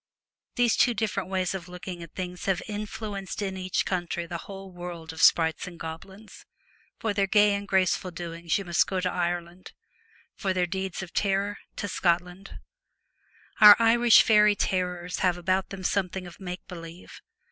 These two different ways of looking at things have influenced in each country the whole world of sprites and goblins. For their gay and graceful doings you 179 The must go to Ireland ; for their deeds of Celtic . Twilight, terror to Scotland. Our Irish faery terrors have about them something of make believe.